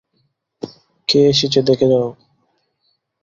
কে এসেছে দেখে যাও।